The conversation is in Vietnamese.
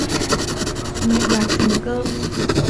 Mẹ gạt phần cơm